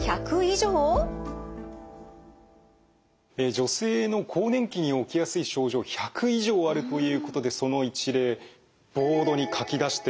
女性の更年期に起きやすい症状１００以上あるということでその一例ボードに書き出してみました。